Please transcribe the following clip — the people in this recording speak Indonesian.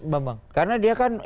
bambang karena dia kan